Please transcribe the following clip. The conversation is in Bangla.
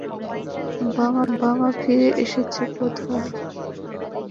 বাবা ফিরে এসেছে বোধহয়।